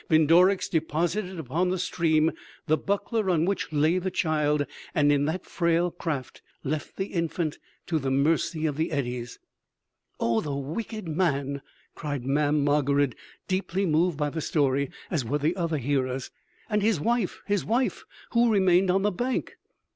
Vindorix deposited upon the stream the buckler on which lay the child, and in that frail craft left the infant to the mercy of the eddies." "Oh, the wicked man!" cried Mamm' Margarid deeply moved by the story as were the other hearers. "And his wife!... his wife ... who remained on the bank?